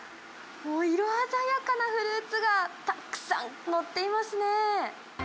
もう色鮮やかなフルーツがたくさん載っていますね。